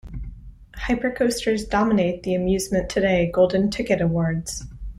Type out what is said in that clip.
Hypercoasters dominate the "Amusement Today" Golden Ticket Awards.